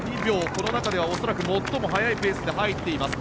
この中では恐らく最も速いペースではいっています。